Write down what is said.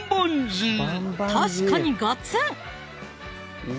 確かにガツン！